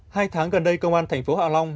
hai tháng gần đây công an thành phố hạ long